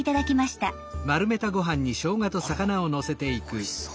おいしそう！